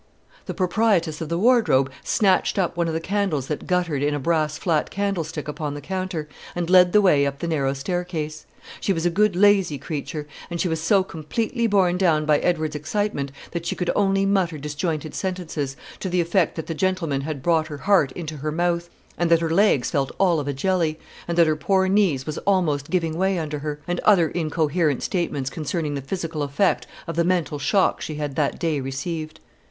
The proprietress of the wardrobe snatched up one of the candles that guttered in a brass flat candlestick upon the counter, and led the way up the narrow staircase. She was a good lazy creature, and she was so completely borne down by Edward's excitement, that she could only mutter disjointed sentences, to the effect that the gentleman had brought her heart into her mouth, and that her legs felt all of a jelly; and that her poor knees was a'most giving way under her, and other incoherent statements concerning the physical effect of the mental shocks she had that day received.